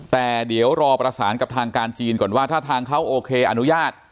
แต่เดี๋ยวรอประสานกับทางการจีนก่อนว่าถ้าทางเขาโอเคอนุญาต